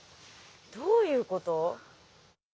どういうこと？